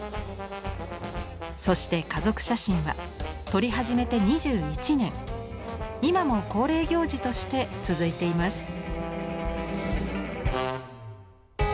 そして家族写真は撮り始めて２１年今も恒例行事として続いています。